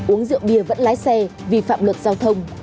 uống rượu bia vẫn lái xe vi phạm luật giao thông